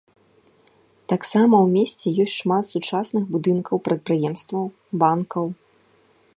Таксама ў месце ёсць шмат сучасных будынкаў прадпрыемстваў, банкаў.